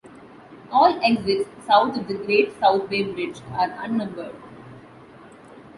All exits south of the Great South Bay Bridge are unnumbered.